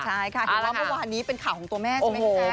ใช่ค่ะเห็นว่าเมื่อวานนี้เป็นข่าวของตัวแม่ใช่ไหมพี่แจ๊